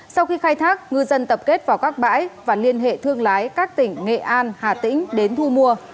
sau khi khai thác ngư dân tập kết vào các bãi và liên hệ thương lái các tỉnh nghệ an hà tĩnh đến thu mua